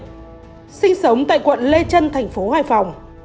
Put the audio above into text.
sinh năm một nghìn chín trăm bảy mươi sinh sống tại quận lê trân thành phố hoài phòng